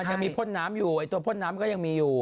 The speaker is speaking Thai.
ยังมีพ่นน้ำอยู่ไอ้ตัวพ่นน้ำก็ยังมีอยู่